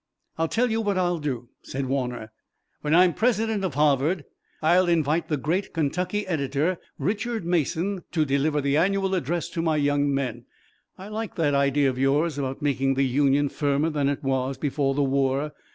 "I'll tell you what I'll do," said Warner. "When I'm president of Harvard I'll invite the great Kentucky editor, Richard Mason, to deliver the annual address to my young men. I like that idea of yours about making the Union firmer than it was before the war.